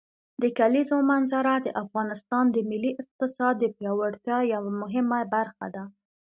د کلیزو منظره د افغانستان د ملي اقتصاد د پیاوړتیا یوه مهمه برخه ده.